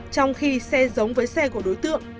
trong khi xe giống với xe của đối tượng